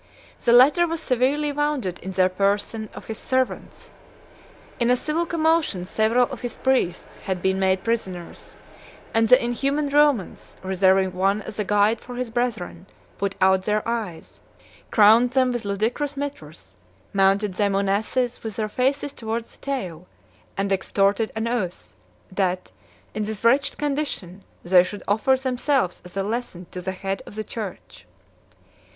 The latter was severely wounded in the person of his servants. In a civil commotion, several of his priests had been made prisoners; and the inhuman Romans, reserving one as a guide for his brethren, put out their eyes, crowned them with ludicrous mitres, mounted them on asses with their faces towards the tail, and extorted an oath, that, in this wretched condition, they should offer themselves as a lesson to the head of the church.